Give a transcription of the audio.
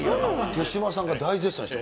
手嶋さんが大絶賛